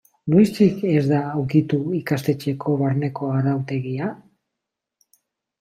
Noiztik ez da ukitu ikastetxeko barneko arautegia?